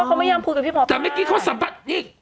อ๋อเขาไม่ยังคุยกับพี่หมอป้าแต่เมื่อกี้เขาสัมภาษณ์นี่